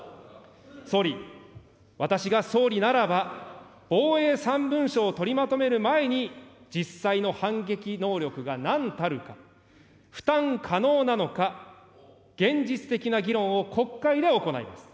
総理、私が総理ならば、防衛三文書を取りまとめる前に、実際の反撃能力がなんたるか、負担可能なのか、現実的な議論を国会で行います。